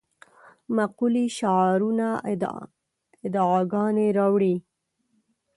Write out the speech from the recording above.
مقولې شعارونه ادعاګانې راوړې.